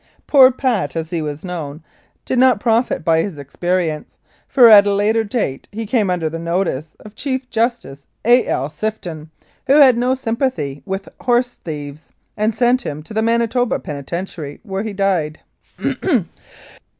Poor "Pat," as he was known, did not profit by his experience, for at a later date he came under the notice of Chief Justice A. L. Sifton, who had no sympathy with horse thieves, and sent him to the Manitoba Penitentiary, where he died.